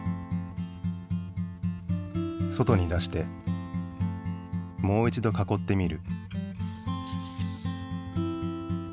外に出してもう一度囲ってみる。